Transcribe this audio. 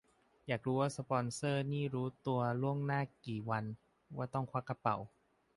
อยากรู้ว่าสปอนเซอร์นี่รู้ตัวล่วงหน้ากี่วันว่าต้องควักกระเป๋า